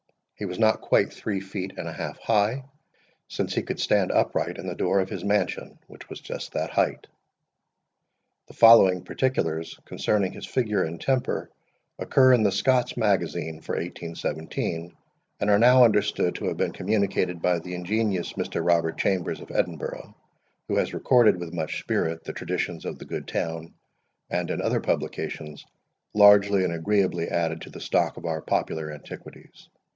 He was not quite three feet and a half high, since he could stand upright in the door of his mansion, which was just that height. The following particulars concerning his figure and temper occur in the SCOTS MAGAZINE for 1817, and are now understood to have been communicated by the ingenious Mr. Robert Chambers of Edinburgh, who has recorded with much spirit the traditions of the Good Town, and, in other publications, largely and agreeably added to the stock of our popular antiquities.